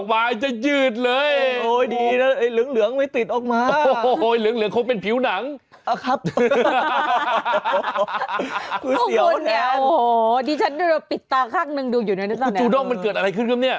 ปลิดตะข้างหนึ่งวิวด้งมันเกิดอะไรขึ้นขึ้นเนี่ย